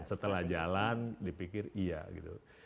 setelah jalan dipikir iya gitu